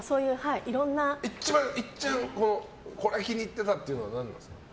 一番気に入っていたというのは何ですか？